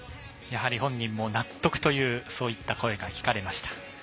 やはり本人も納得という声が聞かれました。